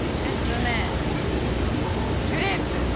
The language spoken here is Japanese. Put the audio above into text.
えっとねグレープ！